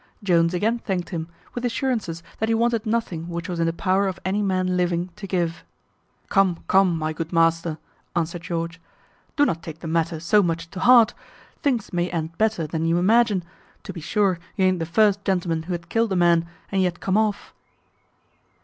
Jones again thanked him, with assurances that he wanted nothing which was in the power of any man living to give. "Come, come, my good master," answered George, "do not take the matter so much to heart. Things may end better than you imagine; to be sure you an't the first gentleman who hath killed a man, and yet come off."